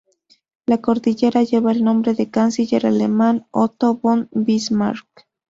La cordillera lleva el nombre del canciller alemán Otto von Bismarck.